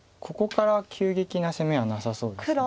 ここから急激な攻めはなさそうです。